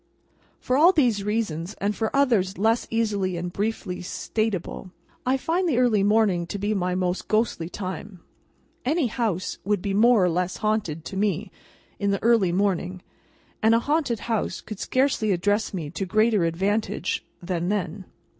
For all these reasons, and for others less easily and briefly statable, I find the early morning to be my most ghostly time. Any house would be more or less haunted, to me, in the early morning; and a haunted house could scarcely address me to greater advantage than then.